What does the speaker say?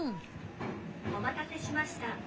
「お待たせしました。